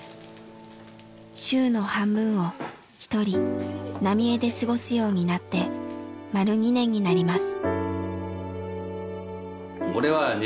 週の半分を一人浪江で過ごすようになって丸２年になります。